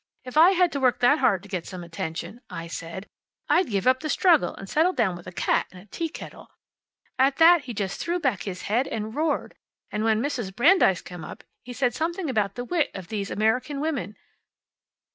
If I had to work that hard to get some attention,' I said, `I'd give up the struggle, and settle down with a cat and a teakettle.' At that he just threw back his head and roared. And when Mrs. Brandeis came up he said something about the wit of these American women.